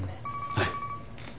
はい。